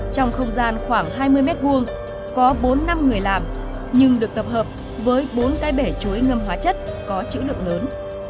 trong không gian khoảng hai mươi m hai có bốn năm người làm nhưng được tập hợp với bốn cái bể chuối ngâm hóa chất có chữ lượng lớn